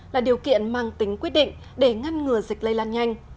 là điều kiện mang tính quyết định để ngăn ngừa dịch lây lan nhanh